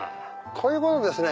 こういうものですね